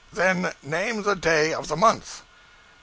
Then name the day of the month.